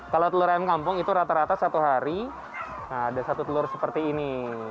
kalau telur ayam kampung itu rata rata satu hari ada satu telur seperti ini